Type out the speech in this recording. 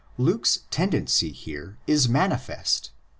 Luke's '' tendency' here is manifest.